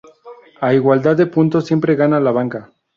A igualdad de puntos, siempre gana la banca.